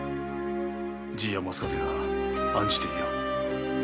じいや松風が案じていよう。